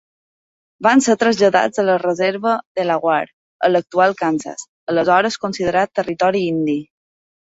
Van ser traslladats a la reserva Delaware a l'actual Kansas, aleshores considerat Territori Indi.